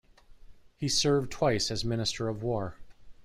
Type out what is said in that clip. He served twice as minister of war.